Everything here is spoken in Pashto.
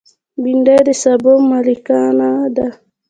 بېنډۍ د سابو ملکانه ده